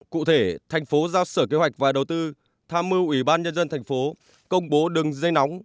cụ thể thành phố giao sở kế hoạch và đầu tư tham mưu ubnd tp công bố đừng dây nóng